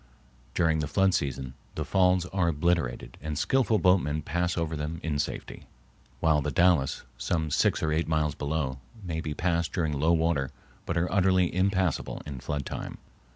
During the flood season the falls are obliterated and skillful boatmen pass over them in safety; while the Dalles, some six or eight miles below, may be passed during low water but are utterly impassable in flood time.